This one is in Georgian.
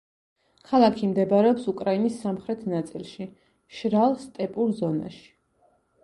ქალაქი მდებარეობს უკრაინის სამხრეთ ნაწილში, მშრალ სტეპურ ზონაში.